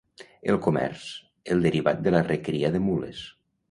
El comerç, el derivat de la recria de mules.